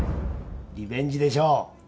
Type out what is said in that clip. リベンジでしょう